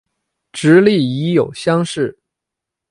直隶乙酉乡试。